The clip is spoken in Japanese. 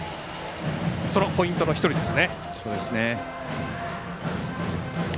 そのポイントの１人です。